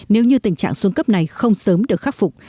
nếu như tình trạng xuống cấp này không sớm được khắc phục